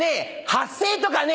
発声とかね